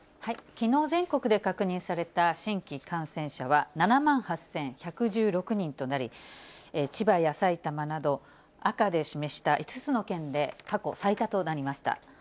きのう全国で確認された新規感染者は７万８１１６人となり、千葉や埼玉など、赤で示した５つの県で過去最多となりました。